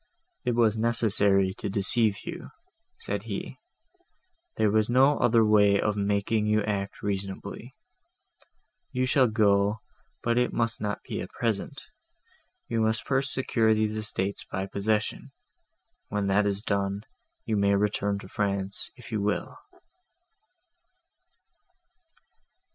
"It was necessary to deceive you," said he,—"there was no other way of making you act reasonably; you shall go, but it must not be at present. I must first secure these estates by possession: when that is done, you may return to France if you will."